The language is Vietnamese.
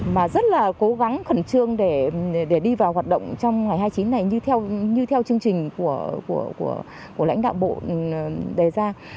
mà rất là cố gắng khẩn trương để đi vào hoạt động trong ngày hai mươi chín này như theo chương trình của lãnh đạo bộ đề ra